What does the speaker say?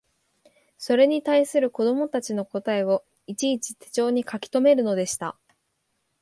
それに対する子供たちの答えをいちいち手帖に書きとめるのでした